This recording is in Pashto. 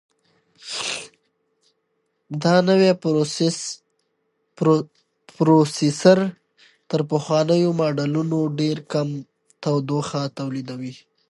دا نوی پروسیسر تر پخوانیو ماډلونو ډېر کم تودوخه تولیدوي.